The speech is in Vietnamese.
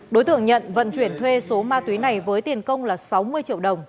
đối tượng nhận vận chuyển thuê số ma túy này với tiền công là sáu mươi triệu đồng